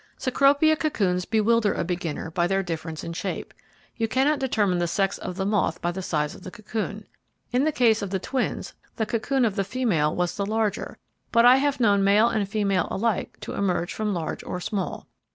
Cecropia cocoons bewilder a beginner by their difference in shape. You cannot determine the sex of the moth by the size of the cocoon. In the case of the twins, the cocoon of the female was the larger; but I have known male and female alike to emerge from large or small.